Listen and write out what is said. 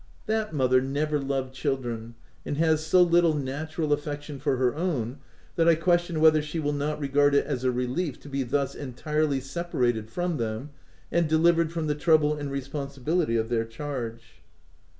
That mother never loved children, and has so little natural affection for her own that I question whether she will not regard it as a relief to be thus en tirely separated from them, and delivered from the trouble and responsibility of their charge.